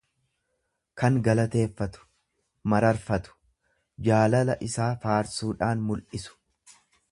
kan galateeffatu, mararfatu, jaalala isaa faarsuudhaan mul'isu.